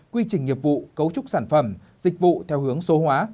quy trình nghiệp vụ cấu trúc sản phẩm dịch vụ theo hướng số hóa